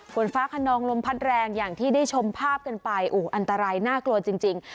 ฝนฟ้าขนองลมพัดแรงอย่างที่ได้ชมภาพกันไปโอ้โหอันตรายน่ากลัวจริง